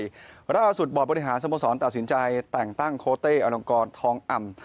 เวลาสุดบอดบริหารสมสรรค์ตัดสินใจแต่งตั้งโค้ตเต้อรงกรท้องอำ